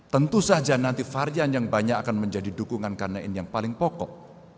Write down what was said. tentu saja nanti varian yang banyak akan menjadi dukungan karena ini yang paling pokok